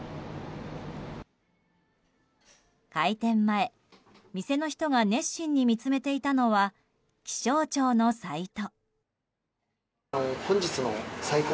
開店前、店の人が熱心に見つめていたのは気象庁のサイト。